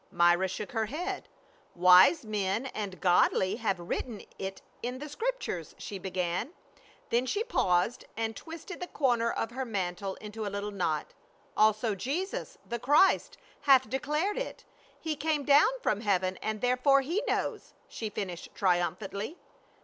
Myra shook her head, " Wise men and godly have written it in the Scriptures," she began, then she paused and twisted the corner of her mantle into a little knot. "Also Jesus, the Christ, hath declared it. He came down from heaven and therefore he knows," she finished triumphantly.